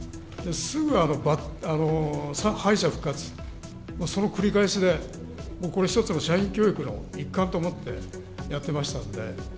すぐ敗者復活、その繰り返しで、もうこれ、一つの社員教育の一環と思ってやってましたんで。